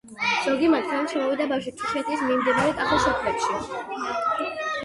ზოგი მათგანი ჩამოვიდა ბარში, თუშეთის მიმდებარე კახურ სოფლებში.